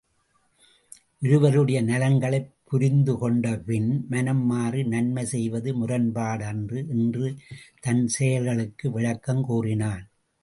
ஒருவருடைய நலன்களைப் புரிந்துகொண்டபின் மனம்மாறி நன்மை செய்வது முரண்பாடு அன்று என்று தன் செயல்களுக்கு விளக்கம் கூறினான்.